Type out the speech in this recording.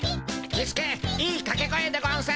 キスケいいかけ声でゴンス。